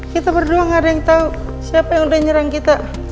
kita berdua gak ada yang tahu siapa yang udah nyerang kita